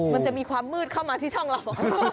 มันจะมีความมืดเข้ามาที่ช่องเรา